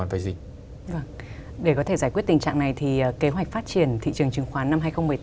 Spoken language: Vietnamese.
vâng để có thể giải quyết tình trạng này thì kế hoạch phát triển thị trường chứng khoán năm hai nghìn một mươi tám